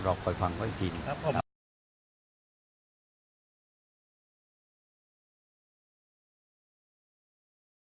เราคอยฟังให้พี่ดีครับ